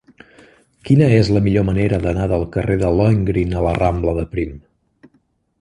Quina és la millor manera d'anar del carrer de Lohengrin a la rambla de Prim?